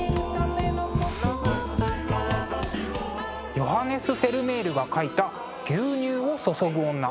ヨハネス・フェルメールが描いた「牛乳を注ぐ女」。